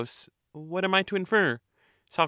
What am I to infer ? Soc.